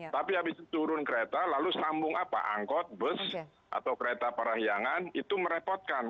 tapi habis itu turun kereta lalu sambung apa angkot bus atau kereta parahyangan itu merepotkan